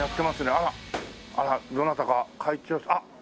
あらどなたか会長さん。